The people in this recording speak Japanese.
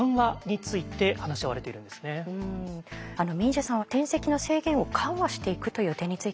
毛受さんは転籍の制限を緩和していくという点についてはいかがですか？